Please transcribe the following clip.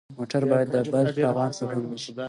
موټر مو باید د بل تاوان سبب نه شي.